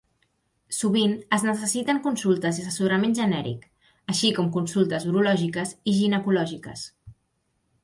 Sovint es necessiten consultes i assessorament genèric, així com consultes urològiques i ginecològiques.